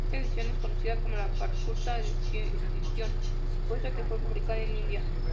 Esta edición es conocida como la "Calcutta edition" puesto que fue publicada en India.